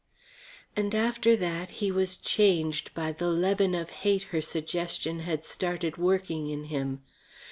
And after that he was changed by the leaven of hate her suggestion had started working in him.